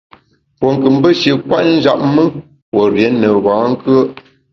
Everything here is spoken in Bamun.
Pue nkù mbe shi nkwet njap me, pue rié ne bankùe’.